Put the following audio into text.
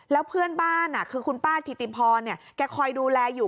แล้วเพื่อนบ้านคือคุณป้าถิติพรแกคอยดูแลอยู่